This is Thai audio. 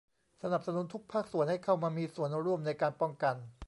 สนับสนุนทุกภาคส่วนให้เข้ามามีส่วนร่วมในการป้องกัน